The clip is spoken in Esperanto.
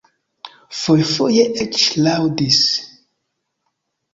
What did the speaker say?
Fojfoje eĉ laŭdis.